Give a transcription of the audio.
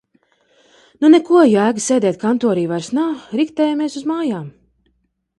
Nu neko, jēga sēdēt kantorī vairs nav, riktējamies uz mājām.